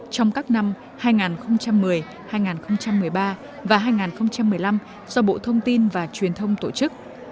trong các năm hai nghìn một mươi hai nghìn một mươi ba và hai nghìn một mươi năm do bộ thông tin và truyền thông tổ chức